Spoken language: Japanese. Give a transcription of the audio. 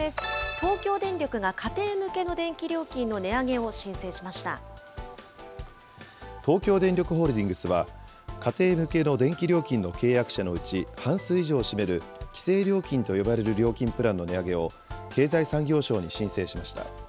東京電力が家庭向けの電気料金の東京電力ホールディングスは、家庭向けの電気料金の契約者のうち、半数以上を占める規制料金と呼ばれる料金プランの値上げを、経済産業省に申請しました。